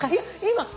今。